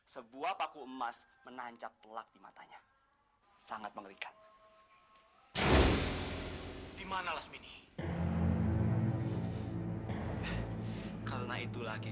suatu saat nanti kita akan bertemu lagi